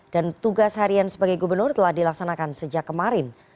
dan tugas harian sebagai gubernur telah dilaksanakan sejak kemarin